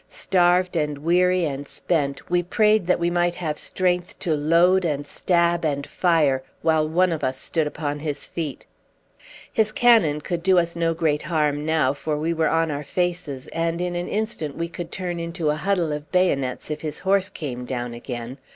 Starved and weary and spent, we prayed that we might have strength to load and stab and fire while one of us stood upon his feet. His cannon could do us no great hurt now, for we were on our faces, and in an instant we could turn into a huddle of bayonets if his horse came down again.